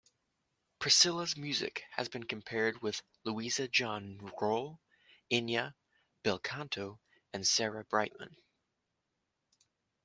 Priscilla's music has been compared with Louisa John-Kroll, Enya, Bel Canto, and Sarah Brightman.